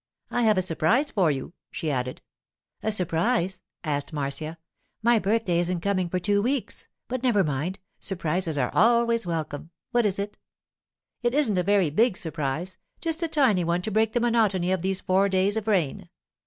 —I have a surprise for you,' she added. 'A surprise?' asked Marcia. 'My birthday isn't coming for two weeks. But never mind; surprises are always welcome. What is it?' 'It isn't a very big surprise; just a tiny one to break the monotony of these four days of rain.